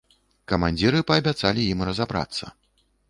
Камандзіры паабяцалі ім разабрацца.